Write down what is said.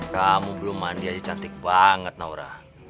kamu belum mandi aja cantik banget naura